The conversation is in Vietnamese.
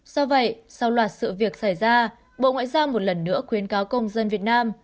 do vậy sau loạt sự việc xảy ra bộ ngoại giao một lần nữa khuyến cáo công dân việt nam